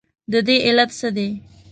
ددې علت څه دی؟